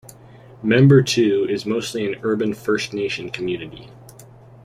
Membertou is mostly an urban First Nation community.